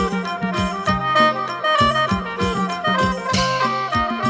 สวัสดีครับสวัสดีครับ